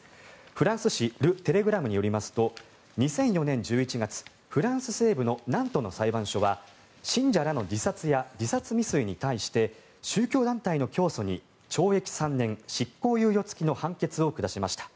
フランス紙ル・テレグラムによりますと２００４年１１月フランス西部ナントの裁判所は信者らの自殺や自殺未遂に対して宗教団体の教祖に懲役３年、執行猶予付きの判決を下しました。